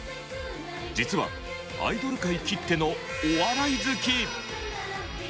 実はアイドル界きってのお笑い好き！